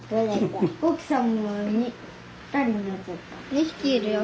２匹いるよ